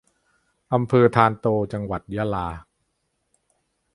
อำเภอธารโต จังหวัดยะลา